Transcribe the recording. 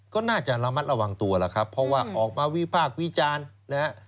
ก็น่าจะระมัดระวังตัวแล้วครับเพราะว่าออกมาวิพากษ์วิจารณ์นะฮะ